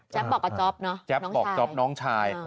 แจ๊บบอกกับจ๊อปเนอะน้องชาย